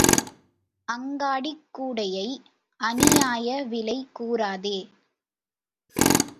அங்காடிக் கூடையை அநியாய விலை கூறாதே.